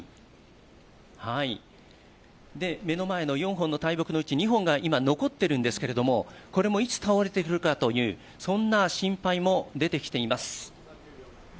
目の前の４本の大木のうち２本が今、残っているんですけども、これもいつ倒れてくるかという、そんな心配も出てきています。